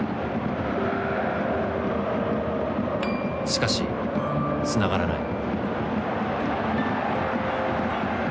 しかしつながらない。